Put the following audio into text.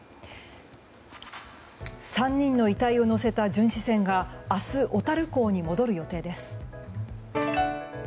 ３人の遺体を乗せた巡視船が明日、小樽港に戻る予定です。